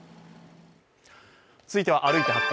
続いては「歩いて発見！